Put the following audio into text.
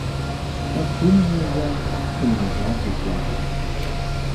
Так думала я і не могла вже плакати.